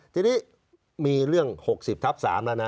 ทีนี้มีเรื่อง๖๐ทับ๓แล้วนะ